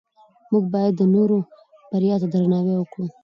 موږ باید د نورو بریا ته درناوی وکړو